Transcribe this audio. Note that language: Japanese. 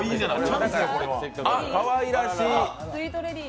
あっ、かわいらしい。